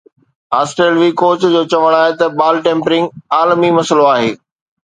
آسٽريلوي ڪوچ جو چوڻ آهي ته بال ٽيمپرنگ عالمي مسئلو آهي